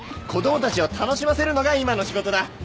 子供たちを楽しませるのが今の仕事だ。